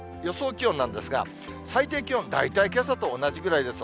気温なんですが、最低気温、大体けさと同じぐらいです。